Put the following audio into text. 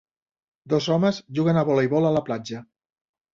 dos homes juguen a voleibol a la platja.